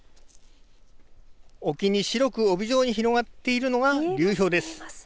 沖に白く帯状に広がっているのが流氷です。